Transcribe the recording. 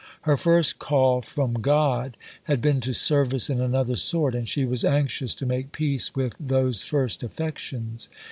Her first "call from God" had been to service in another sort, and she was anxious to make peace with "those first affections."